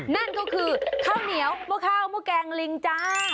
นั่นก็คือข้าวเหนียวหม้อข้าวหม้อแกงลิงจ้า